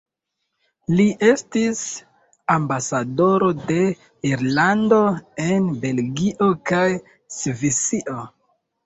Li estis ambasadoro de Irlando en Belgio kaj Svisio.